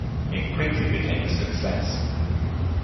It quickly became a success.